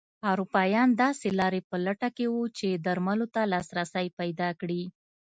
اروپایان داسې لارې په لټه کې وو چې درملو ته لاسرسی پیدا کړي.